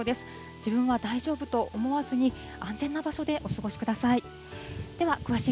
自分は大丈夫と思わずに、安全な場所でお過ごしください。